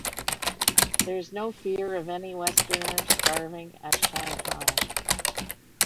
There is no fear of any Westerner starving at Shanghai.